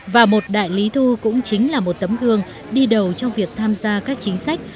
và một đại lý thu cũng chính là một tấm gương đi đầu trong việc tham gia các chính sách